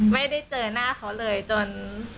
ไม่ได้เจอหน้าเขาเลยจน